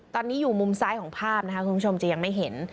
ตอนนี้อยู่มุมซ้ายของภาพนะคะคุณผู้ชมจะยังไม่เห็น